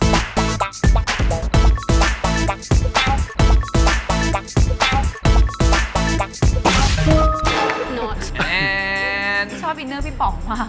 พี่ชอบอีเนอครับพี่ป๋องมาก